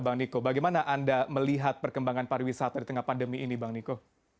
bang niko bagaimana anda melihat perkembangan pariwisata di tengah pandemi ini bang niko